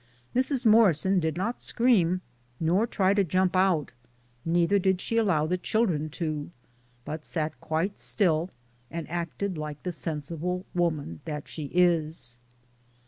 Mrs. Morrison did not scream nor try to jump out, neither did she allow the children to, but sat quite still and acted like the sensible woman that she is.